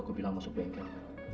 aku bilang masuk bengkel